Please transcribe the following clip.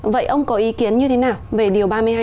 vậy ông có ý kiến như thế nào về điều ba mươi hai